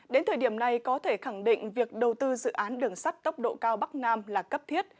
đến thời điểm này có thể khẳng định việc đầu tư dự án đường sắt tốc độ cao bắc nam là cấp thiết